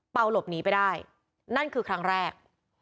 หลบหนีไปได้นั่นคือครั้งแรก